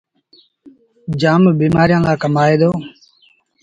جآم بيمآريآن لآ ڪم آئي دو۔